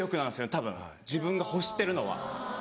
たぶん自分が欲してるのは。